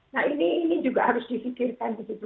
nah ini juga harus difikirkan begitu